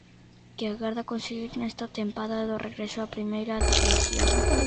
Que agarda conseguir nesta tempada do regreso á Primeira División?